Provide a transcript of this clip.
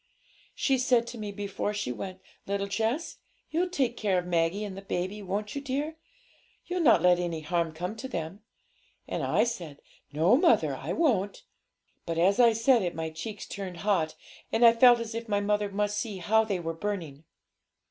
'She said to me before she went, "Little Jess, you'll take care of Maggie and baby, won't you, dear? You'll not let any harm come to them?" And I said, "No, mother, I won't." But as I said it my cheeks turned hot, and I felt as if my mother must see how they were burning.